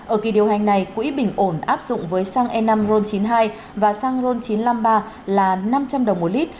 ở kỳ điều hành này quỹ bình ổn áp dụng với xăng e năm ron chín mươi hai và xăng ron chín trăm năm mươi ba là năm trăm linh đồng một lít